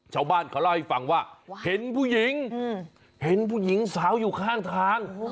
ชาวบ้านเขาเล่าให้ฟังว่าเห็นผู้หญิงเห็นผู้หญิงสาวอยู่ข้างทาง